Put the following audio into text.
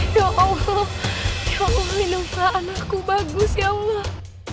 ya allah ya allah minumkan anakku bagus ya allah